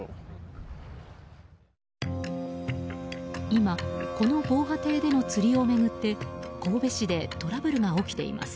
今、この防波堤での釣りを巡って神戸市でトラブルが起きています。